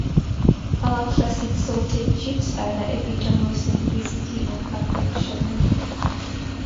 Our Classic Salted chips are the epitome of simplicity and perfection.